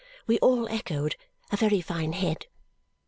We all echoed, "A very fine head!"